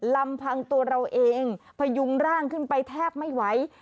ลำพังตัวเราเองพยุงร่างขึ้นไปแทบไม่ไหว